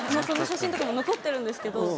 その写真とかも残ってるんですけど。